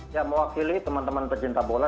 yang mewakili teman teman pecinta bola